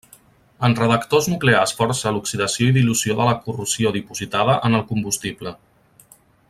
En reactors nuclears força l'oxidació i dilució de la corrosió dipositada en el combustible.